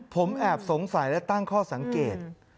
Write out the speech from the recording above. ผมแอบสงสัยและตั้งข้อสังเกต